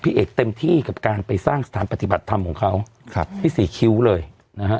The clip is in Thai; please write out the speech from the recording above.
เอกเต็มที่กับการไปสร้างสถานปฏิบัติธรรมของเขาครับพี่สี่คิ้วเลยนะฮะ